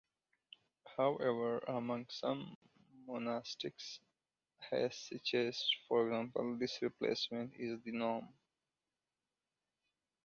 However, among some monastics - hesychasts, for example - this replacement is the norm.